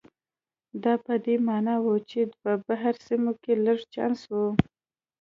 دا په دې معنا و چې په بهر سیمو کې لږ چانس و.